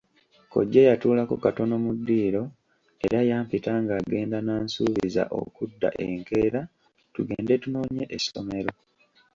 Kkojja yatuulako katono mu ddiiro era yampita ng'agenda n'ansuubiza okudda enkeera tugende tunoonye essomero.